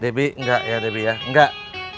debi enggak ya debi ya enggak